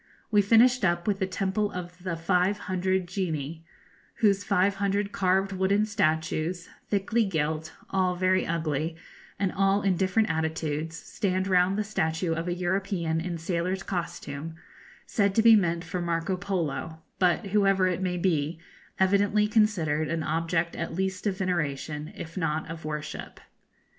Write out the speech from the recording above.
We finished up with the Temple of the Five Hundred Genii, whose five hundred carved wooden statues, thickly gilt, all very ugly, and all in different attitudes, stand round the statue of a European in sailor's costume, said to be meant for Marco Polo, but, whoever it may be, evidently considered an object at least of veneration, if not of worship.